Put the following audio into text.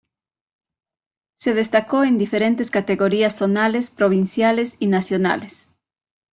Se destacó en diferentes categorías zonales, provinciales y nacionales.